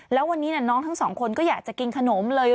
แล้ววันนี้น้องทั้งสองคนก็อยากจะกินขนมเลย